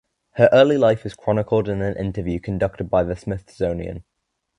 Her early life is chronicled in an interview conducted by the Smithsonian.